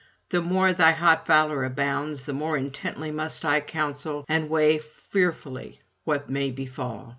the more thy hot valour abounds, the more intently must I counsel, and weigh fearfully what may befall.